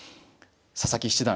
佐々木七段